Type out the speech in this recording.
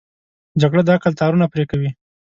جګړه د عقل تارونه پرې کوي